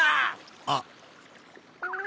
あっ。